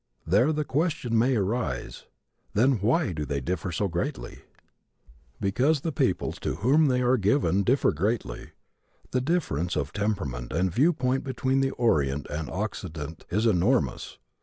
There the question may arise, "Then why do they differ so greatly?" Because the peoples to whom they are given differ greatly. The difference of temperament and viewpoint between the Orient and the Occident is enormous.